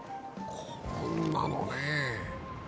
こんなのね。